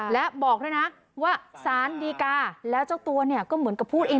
และบอกด้วยนะว่าสารดีกาแล้วเจ้าตัวเนี่ยก็เหมือนกับพูดเอง